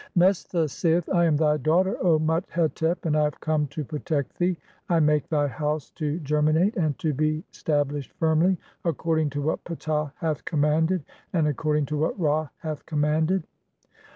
X. (1) Mestha saith :— "I am thy daughter, O Mut hetep, and "I have come (2) to protect thee; I make thy house to germi "nate and to be stablished firmly (3) according to what Ptah "hath commanded and according to what Ra hath commanded."